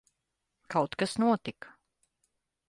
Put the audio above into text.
Kaut kas notika.